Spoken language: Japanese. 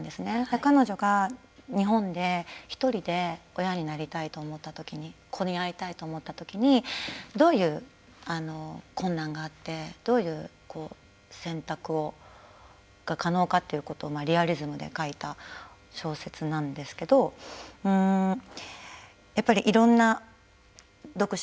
彼女が日本で１人で親になりたいと思ったときに子に会いたいと思ったときにどういう困難があってどういう選択が可能かということをリアリズムで書いた小説なんですけれどもいろんな読者